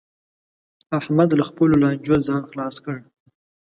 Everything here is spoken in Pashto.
احمد له خپلو لانجو ځان خلاص کړ